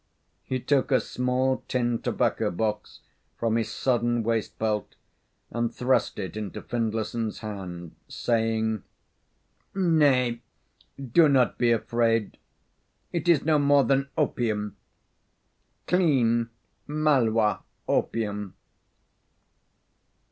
He took a small tin tobacco box from his sodden waist belt and thrust it into Findlayson's hand, saying: "Nay, do not be afraid. It is no more than opium clean Malwa opium."